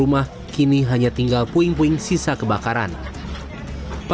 udah ini pun sama anak saya